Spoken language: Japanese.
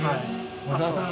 小澤さん。